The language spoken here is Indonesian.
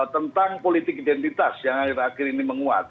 tentang politik identitas yang akhir akhir ini menguat